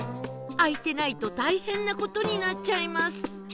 開いてないと大変な事になっちゃいます